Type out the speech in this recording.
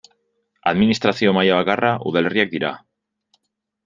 Administrazio maila bakarra, udalerriak dira.